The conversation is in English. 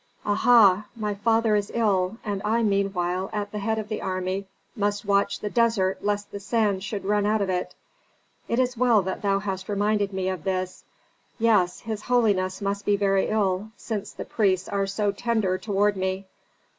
"Aha! my father is ill, and I meanwhile at the head of the army must watch the desert lest the sand should run out of it. It is well that thou hast reminded me of this! Yes, his holiness must be very ill, since the priests are so tender toward me.